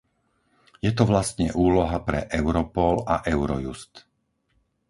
Je to vlastne úloha pre Europol a Eurojust.